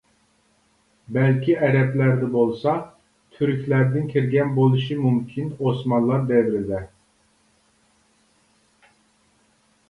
بەلكى، ئەرەبلەردە بولسا، تۈركلەردىن كىرگەن بولۇشى مۇمكىن ئوسمانلار دەۋرىدە.